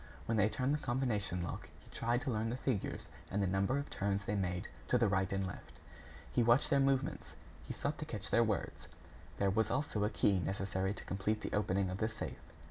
When they turned the combination lock, he tried to learn the figures and the number of turns they made to the right and left. He watched their movements; he sought to catch their words. There was also a key necessary to complete the opening of the safe.